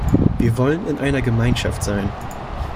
Wir wollen in einer Gemeinschaft sein.